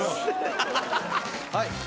はい。